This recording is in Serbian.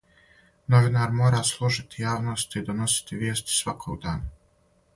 Новинар мора служити јавности и доносити вијести сваког дана.